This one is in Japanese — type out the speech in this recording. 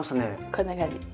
こんな感じ。